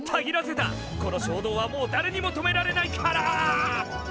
この衝動はもうだれにも止められないから！